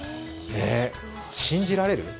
信じられる？